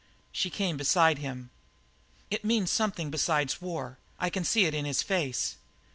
She came beside him. "It means something besides war. I can see it in his face.